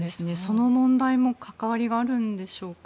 その問題も関わりがあるんでしょうか？